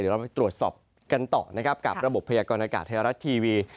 เดี๋ยวเราไปตรวจสอบกันต่อกับระบบพยากรณากาศไทยรัฐทีวี